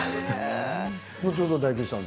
後ほど大吉さん